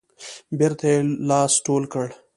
بیرته یې لاس ټول کړ.